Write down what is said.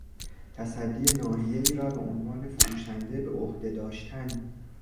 تصدی ناحیهای را به عنوان فروشنده به عهده داشتن